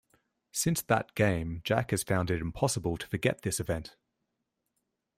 Since that game, Jack has found it impossible to forget this event.